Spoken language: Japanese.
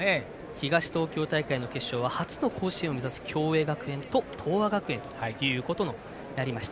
東東京大会の決勝は初の甲子園出場を目指す共栄学園と東亜学園になりました。